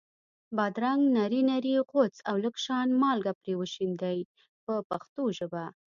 بادرنګ نري نري غوڅ او لږ شان مالګه پرې شیندئ په پښتو ژبه.